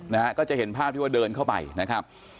นะฮะก็จะเห็นภาพที่ว่าเดินเข้าไปนะครับ